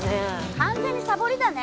完全にサボりだね。